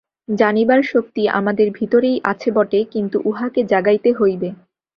জানিবার শক্তি আমাদের ভিতরেই আছে বটে, কিন্তু উহাকে জাগাইতে হইবে।